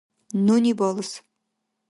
Нуни балас.